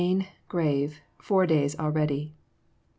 . .grave,. .four days already.'